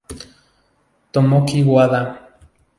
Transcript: Tomoki Wada